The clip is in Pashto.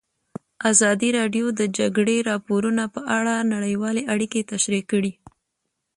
ازادي راډیو د د جګړې راپورونه په اړه نړیوالې اړیکې تشریح کړي.